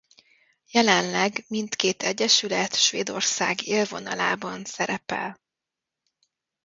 Jelenleg mindkét egyesület Svédország élvonalában szerepel.